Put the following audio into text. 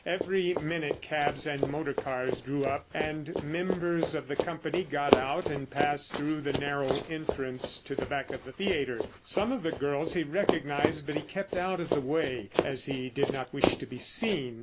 Every minute cabs and motor cars drew up and members of the company got out and passed through the narrow entrance to the back of the theatre. Some of the girls he recognised, but he kept out of the way, as he did not wish to be seen.